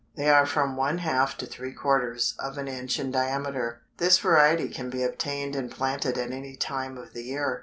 They are from one half to three quarters of an inch in diameter. This variety can be obtained and planted at any time of the year.